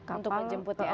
untuk menjemput ya